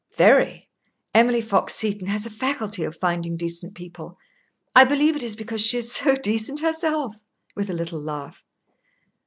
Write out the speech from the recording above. "Very. Emily Fox Seton has a faculty of finding decent people. I believe it is because she is so decent herself" with a little laugh.